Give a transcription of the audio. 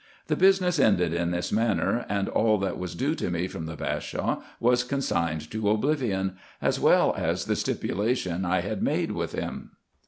The business ended in this manner ; and all that was due to me from the Bashaw was consigned to oblivion, as well as the stipulation I had made with him.